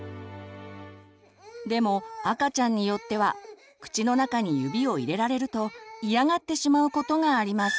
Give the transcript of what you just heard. でも赤ちゃんによっては口の中に指を入れられると嫌がってしまうことがあります。